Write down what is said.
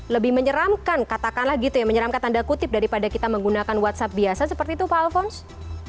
lebih menyeramkan katakanlah gitu ya menyeramkan tanda kutip daripada kita menggunakan whatsapp biasa seperti itu pak alphonse